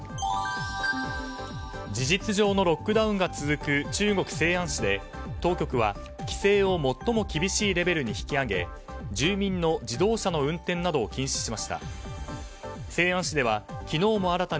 事実上のロックダウンが続く中国・西安市で当局は規制を最も厳しいレベルに引き上げ住民の自動車の運転などを禁止しました。